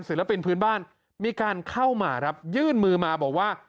ศิลปินพื้นบ้านมีการเข้ามาครับยื่นมือมาบอกว่า